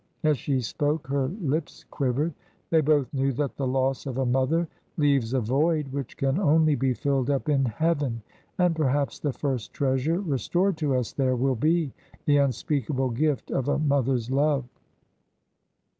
As she spoke her lips quivered. They both knew that the loss of a mother leaves a void which can only be filled up in heaven, and perhaps the first treasure restored to us there will be the unspeakable gift of a mother's love.